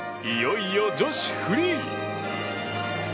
いよいよ女子フリー。